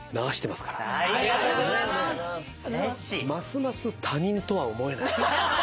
ますます他人とは思えない。